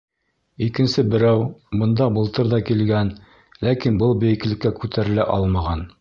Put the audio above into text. Икенсе берәү бында былтыр ҙа килгән, ләкин был бейеклеккә күтәрелә алмаған.